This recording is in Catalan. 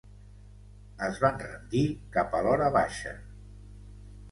Es van rendir cap a l'horabaixa.